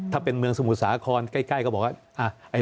ถ้าเป็นเมืองสมุทรสาครใกล้ก็บอกว่า